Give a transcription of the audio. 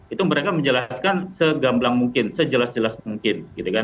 itu mereka menjelaskan segamblang mungkin sejelas jelas mungkin